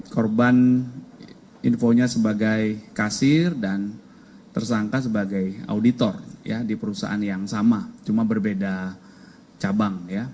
korban infonya sebagai kasir dan tersangka sebagai auditor di perusahaan yang sama cuma berbeda cabang